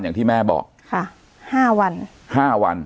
อย่างที่แม่บอกค่ะห้าวันห้าวัน